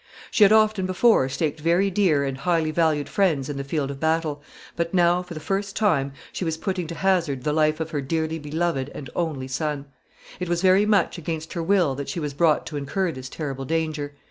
She had often before staked very dear and highly valued friends in the field of battle, but now, for the first time, she was putting to hazard the life of her dearly beloved and only son. It was very much against her will that she was brought to incur this terrible danger.